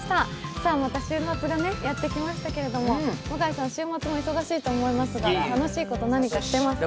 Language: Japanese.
さあ、また週末がやってきましたけれども、向井さん、週末も忙しいと思いますが、楽しいこと、何かしてますか？